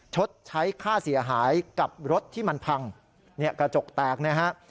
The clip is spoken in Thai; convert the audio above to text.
ชดใช้ค่าเสียหายกับรถที่มันพังเนี่ยกระจกแตกนะฮะ